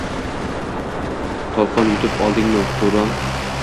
Tolqon yutib oldingmi Turon?